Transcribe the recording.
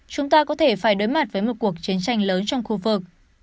chúng ta có thể phải đối mặt với một cuộc chiến tranh lớn trong khu vực